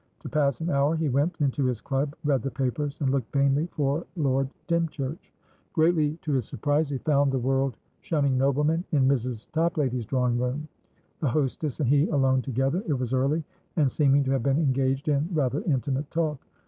To pass an hour, he went into his club, read the papers, and looked, vainly, for Lord Dymchurch. Greatly to his surprise, he found the world shunning nobleman in Mrs. Toplady's drawing room; the hostess and he alone togetherit was earlyand seeming to have been engaged in rather intimate talk.